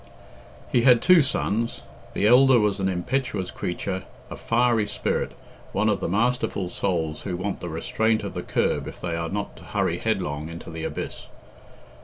He had two sons; the elder was an impetuous creature, a fiery spirit, one of the masterful souls who want the restraint of the curb if they are not to hurry headlong into the abyss.